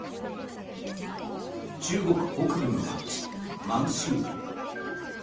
中国北部の町、満洲里。